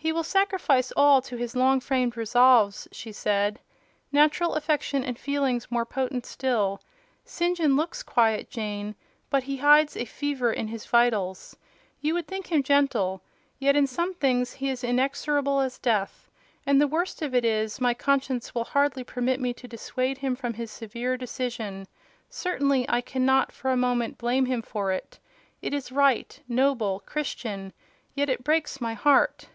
"He will sacrifice all to his long framed resolves," she said: "natural affection and feelings more potent still. St. John looks quiet, Jane; but he hides a fever in his vitals. You would think him gentle, yet in some things he is inexorable as death; and the worst of it is, my conscience will hardly permit me to dissuade him from his severe decision: certainly, I cannot for a moment blame him for it. It is right, noble, Christian: yet it breaks my heart!"